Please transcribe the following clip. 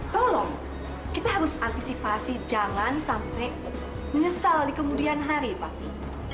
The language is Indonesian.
tolong kita harus antisipasi jangan sampai nyesal di kemudian hari pasti